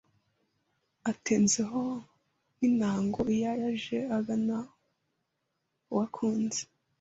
Atenze ho n’intango Iyo aje agana uwo akunze